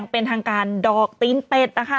เป็นทางการดอกตีนเป็ดนะคะ